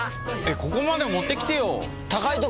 ここまで持ってきてよ。